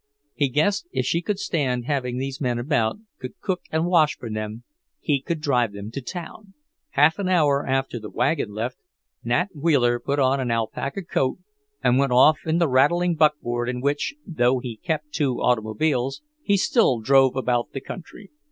He guessed if she could stand having these men about, could cook and wash for them, he could drive them to town! Half an hour after the wagon left, Nat Wheeler put on an alpaca coat and went off in the rattling buckboard in which, though he kept two automobiles, he still drove about the country.